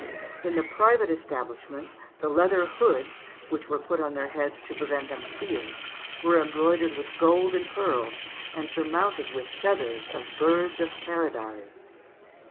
In the private establishments the leather hoods, which were put on their heads to prevent them seeing, were embroidered with gold and pearls and surmounted with the feathers of birds of paradise.